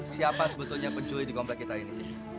siapa sebetulnya pencuri di komplek kita ini